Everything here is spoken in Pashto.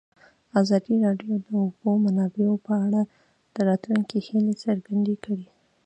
ازادي راډیو د د اوبو منابع په اړه د راتلونکي هیلې څرګندې کړې.